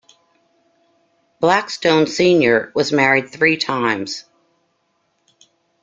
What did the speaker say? Blackstone Senior was married three times.